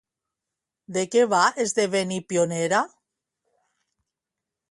De què va esdevenir pionera?